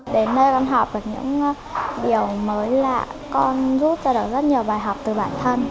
đến đây con học được những điều mới là con rút ra được rất nhiều bài học từ bản thân